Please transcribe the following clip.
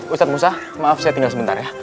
ustadz musa maaf saya tinggal sebentar ya